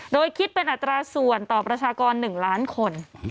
โดยคิดเป็นอัตราส่วนต่อประชากร๑ล้านคน